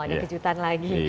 oh ada kejutan lagi